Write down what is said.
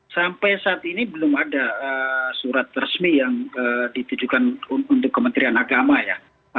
sampai saat ini belum ada surat resmi yang ditujukan untuk kementerian agama ya